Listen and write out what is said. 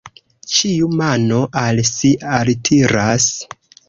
Ĉiu mano al si altiras.